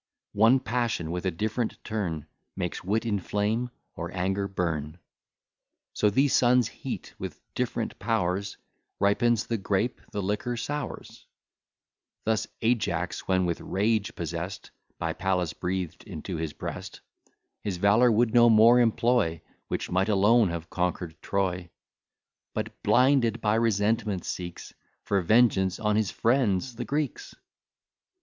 One passion, with a different turn, Makes wit inflame, or anger burn: So the sun's heat, with different powers, Ripens the grape, the liquor sours: Thus Ajax, when with rage possest, By Pallas breathed into his breast, His valour would no more employ, Which might alone have conquer'd Troy; But, blinded by resentment, seeks For vengeance on his friends the Greeks.